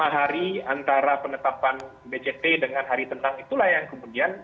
dua puluh lima hari antara penetapan ejt dengan hari tenang itulah yang kemudian